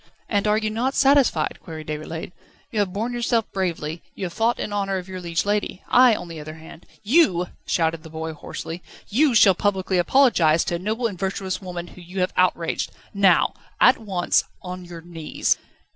"And are you not satisfied?" queried Déroulède. "You have borne yourself bravely, you have fought in honour of your liege lady. I, on the other hand ..." "You," shouted the boy hoarsely, "you shall publicly apologise to a noble and virtuous woman whom you have outraged now at once on your knees